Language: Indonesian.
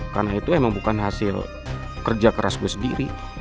karena itu emang bukan hasil kerja keras gue sendiri